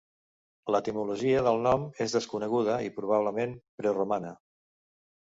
L'etimologia del nom és desconeguda i probablement preromana.